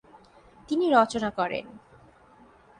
তিনি রচনা করেন ।